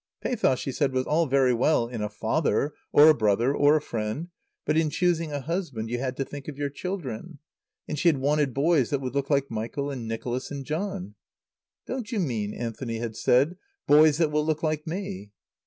Pathos, she said, was all very well in a father, or a brother, or a friend, but in choosing a husband you had to think of your children; and she had wanted boys that would look like Michael and Nicholas and John. "Don't you mean," Anthony had said, "boys that will look like me?"